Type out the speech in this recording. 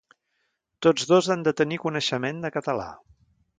Tots dos han de tenir coneixement de català.